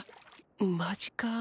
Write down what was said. マジか。